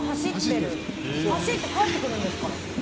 走って帰ってくるんですから。